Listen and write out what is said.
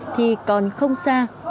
thì còn không xa